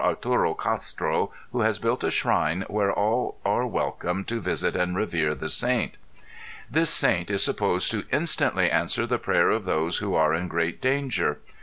Arturo Castro who has built a shrine where all are welcome to visit and revere the saint. This saint is supposed to instantly answer the prayer of those who are in great danger.